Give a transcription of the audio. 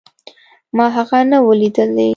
ما هغه نه و ليدلى.